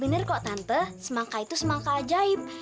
benar kok tante semangka itu semangka ajaib